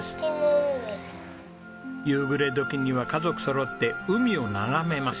夕暮れ時には家族そろって海を眺めます。